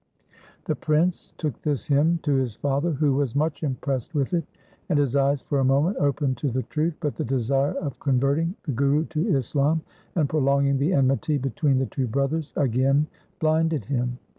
1 The prince took this hymn to his father who was much impressed with it, and his eyes for a moment opened to the truth, but the desire of converting the Guru to Islam and prolonging the enmity between the two brothers again blinded him.